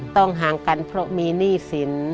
ห่างกันเพราะมีหนี้สิน